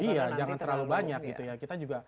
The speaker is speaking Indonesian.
iya jangan terlalu banyak gitu ya